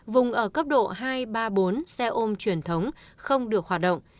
vùng ở cấp độ hai ba bốn xe ôm truyền thống không được hoạt động